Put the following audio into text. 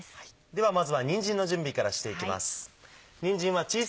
ではまずはにんじんの準備からしていきます。